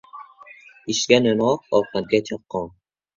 • Ishga — no‘noq, ovqatga — chaqqon.